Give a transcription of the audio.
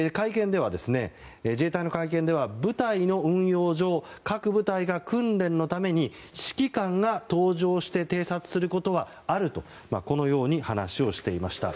自衛隊の会見では部隊の運用上各部隊が訓練のために指揮官が搭乗して偵察することはあるとこのように話をしていました。